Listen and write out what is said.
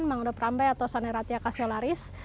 mangrove rambai atau saneratia caseolaris